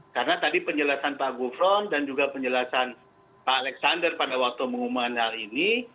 karena tadi penjelasan pak gufron dan juga penjelasan pak alexander pada waktu mengumumkan hal ini